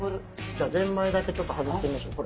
じゃあゼンマイだけちょっと外してみましょう。